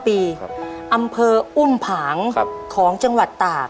อำเภออุ้มผางของจังหวัดตาก